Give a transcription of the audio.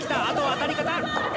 あとは当たり方。